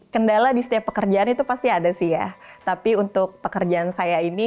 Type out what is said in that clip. kendala di setiap pekerjaan itu pasti ada sih ya tapi untuk pekerjaan saya ini